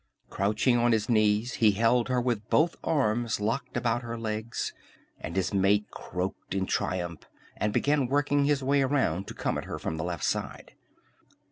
Crouching on his knees, he held her with both arms locked about her legs, and his mate croaked in triumph and began working his way around to come at her from the left side.